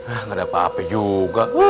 ah gak dapet hp juga